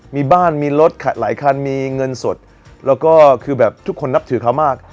มีบ้านมีรถหลายคันมีเงินสดแล้วก็คือแบบทุกคนนับถือเขามาก